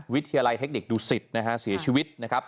วิทยาลัยเทคนิคดูสิตนะฮะเสียชีวิตนะครับ